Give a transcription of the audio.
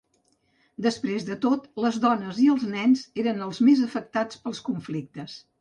Després de tot, les dones i els nens eren els més afectats pels conflictes.